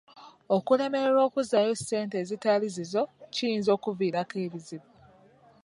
Okulemererwa okuzzaayo ssente ezitali zizo kiyinza okkuviirako ebizibu.